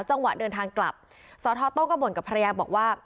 จังหวะเดินทางกลับสทโต้ก็บ่นกับภรรยาบอกว่า